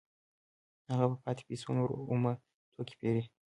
هغه په پاتې پیسو نور اومه توکي پېري